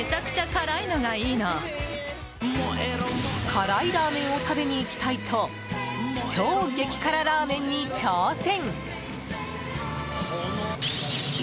辛いラーメンを食べに行きたい！と超激辛ラーメンに挑戦。